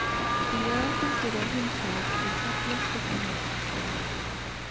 The earl considered himself the happiest of men.